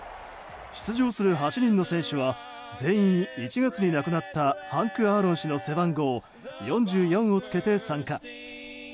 出場する８人の選手は全員１月に亡くなったハンク・アーロン氏の背番号４４をつけて参加。